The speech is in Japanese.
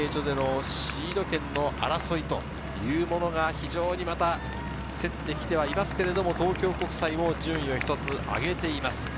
中継所でのシード権の争いというものが非常にまた競ってきていますが、東京国際も順位を１つ上げています。